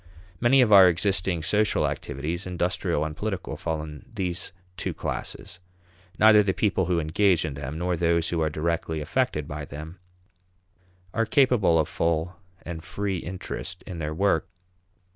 Many of our existing social activities, industrial and political, fall in these two classes. Neither the people who engage in them, nor those who are directly affected by them, are capable of full and free interest in their work.